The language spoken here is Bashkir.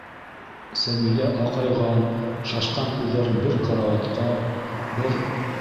Сәбилә аҡайған, шашҡан күҙҙәрен бер карауатҡа, бер